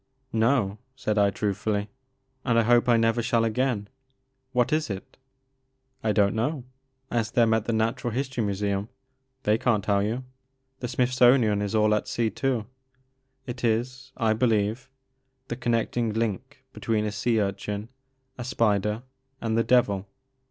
No," said I truthftdly, '* and I hope I never shall again. What is it ?" ''I don't know. Ask them at the Natural History Museum — ^they can't tell you. The Smithsonian is all at sea too. It is, I believe, the connecting link between a sea urchin, a spider, and the devil.